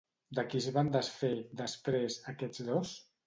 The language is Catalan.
De qui es van desfer, després, aquests dos?